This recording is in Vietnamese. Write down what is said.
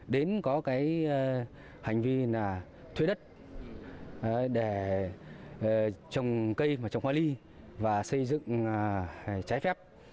đến có hành vi thuê đất trồng cây trồng hoa ly và xây dựng trái phép